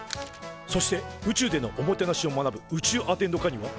そして宇宙でのおもてなしを学ぶ宇宙アテンド科には。